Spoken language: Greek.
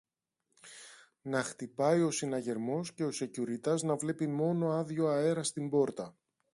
να χτυπάει ο συναγερμός και ο σεκιουριτάς να βλέπει μόνο άδειο αέρα στην πόρτα